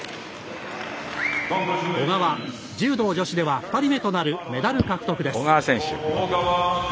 小川、柔道女子では２人目となるメダル獲得です。